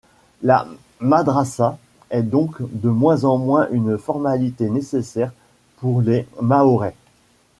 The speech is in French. La madrassa est donc de moins en moins une formalité nécessaire pour les Mahorais.